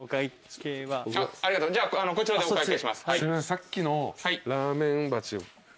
さっきのラーメン鉢と。